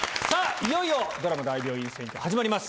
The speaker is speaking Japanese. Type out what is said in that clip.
いよいよドラマ『大病院占拠』始まります。